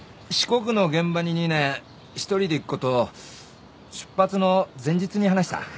四国の現場に２年１人で行くことを出発の前日に話した。